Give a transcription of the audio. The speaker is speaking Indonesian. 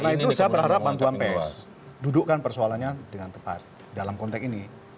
karena itu saya berharap bantuan pes dudukkan persoalannya dengan tepat dalam konteks ini